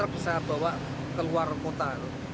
bahwa keluar kota